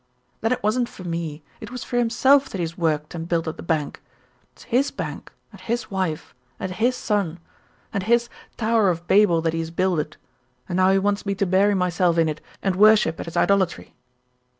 "Then it wasn't for me; it was for himself that he has worked and built up the bank. It's his bank, and his wife, and his son, and his 'Tower of Babel that he has builded,' and now he wants me to bury myself in it and worship at his idolatry."